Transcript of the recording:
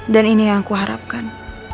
dan ini yang aku harapkan